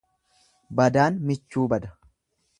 Badaan michuu bada.